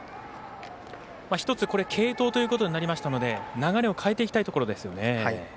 一つ継投ということになりましたので流れを変えていきたいところですよね。